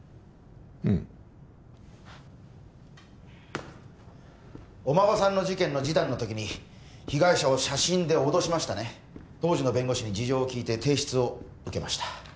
うんお孫さんの事件の示談のときに被害者を写真で脅しましたね当時の弁護士に事情を聞いて提出を受けました